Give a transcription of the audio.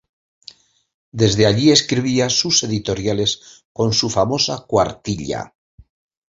Desde allí escribía sus editoriales con su famosa cuartilla.